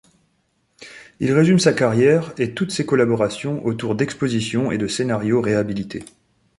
Il résume sa carrière et toutes ses collaborations autour d'expositions et de scénarios réhabilités.